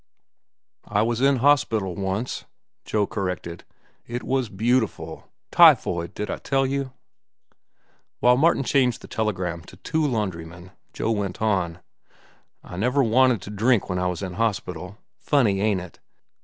"I was in hospital, once," Joe corrected. "It was beautiful. Typhoid—did I tell you?" While Martin changed the telegram to "two laundrymen," Joe went on: "I never wanted to drink when I was in hospital. Funny, ain't it?